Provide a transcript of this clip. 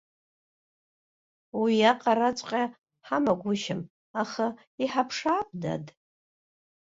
Уиаҟараҵәҟьа ҳамагәышьам, аха иҳаԥшаап, дад!